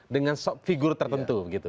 dengan figur tertentu